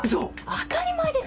当たり前ですよ。